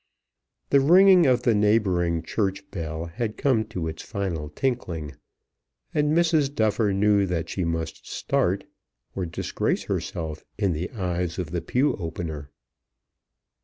The ringing of the neighbouring church bell had come to its final tinkling, and Mrs. Duffer knew that she must start, or disgrace herself in the eyes of the pew opener.